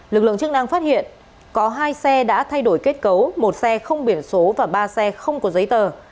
lực lượng chức năng phát hiện có hai xe đã thay đổi kết cấu một xe không biển số và ba xe không có giấy tờ